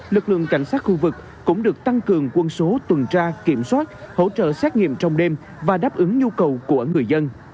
lực lượng cảnh sát khu vực cũng được tăng cường quân số tuần tra kiểm soát hỗ trợ xét nghiệm trong đêm và đáp ứng nhu cầu của người dân